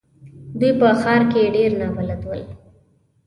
دوی په ښار کې ډېر نابلده ول.